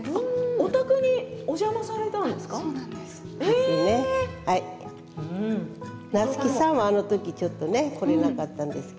お宅にお邪魔されたんですか。